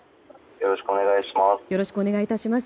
よろしくお願いします。